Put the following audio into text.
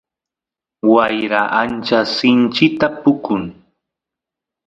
wayra ancha sinchita pukun